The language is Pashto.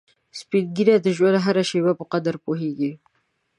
سپین ږیری د ژوند هره شېبه په قدر پوهیږي